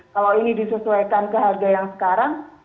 kalau ini disesuaikan ke harga yang sekarang